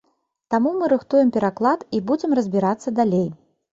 Таму мы рыхтуем пераклад і будзем разбірацца далей.